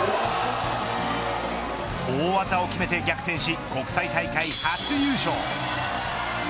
大技を決めて逆転し国際大会初優勝。